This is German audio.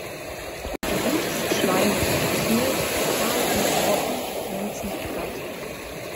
Der Hut ist schleimig-schmierig, kahl und trocken glänzend, glatt.